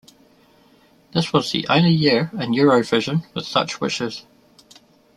This was the only year in Eurovision with such wishes.